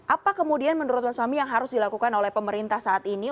apa kemudian menurut mas fahmi yang harus dilakukan oleh pemerintah saat ini